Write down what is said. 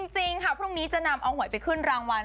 จริงค่ะพรุ่งนี้จะนำเอาหวยไปขึ้นรางวัล